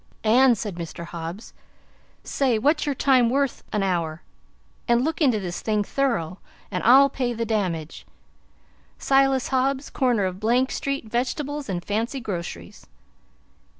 "And," said Mr. Hobbs, "say what your time's worth a' hour and look into this thing thorough, and I'LL pay the damage, Silas Hobbs, corner of Blank street, Vegetables and Fancy Groceries."